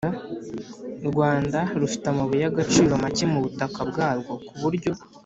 rwanda rufite amabuye y'agaciro make mu butaka bwarwo, ku buryo